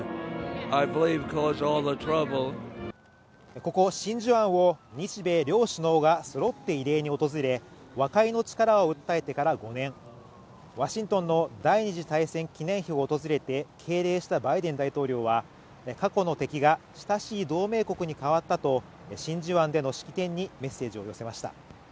ここ真珠湾を日米両首脳がそろって慰霊に訪れ和解の力を訴えてから５年ワシントンの第２次大戦記念碑を訪れて敬礼したバイデン大統領は過去の敵が親しい同盟国に変わったと真珠湾での式典にメッセージを寄せました